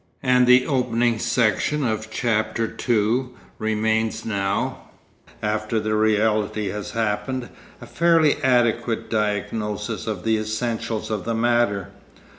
And the opening section of Chapter the Second remains now, after the reality has happened, a fairly adequate diagnosis of the essentials of the matter.